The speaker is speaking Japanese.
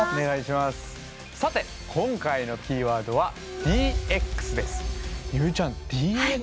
さて今回のキーワードは「ＤＸ」です。